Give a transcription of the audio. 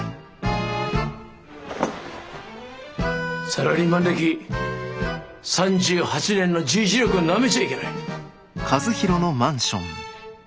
サラリーマン歴３８年のじいじ力をなめちゃいけない。